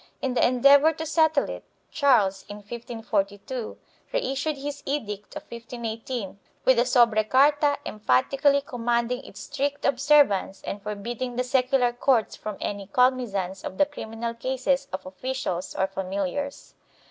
In the endeavor to settle it, Charles, in 1542, reissued his edict of 1518 with a sobre carta emphatically commanding its strict observance and for bidding the secular courts from any cognizance of the criminal cases of officials or familiars.